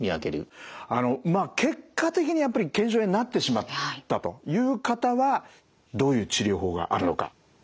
あのまあ結果的に腱鞘炎になってしまったという方はどういう治療法があるのか。